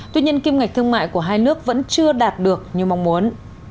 tuy nhiên kim ngạch thương mại của hai nước vẫn chưa đạt được như mong muốn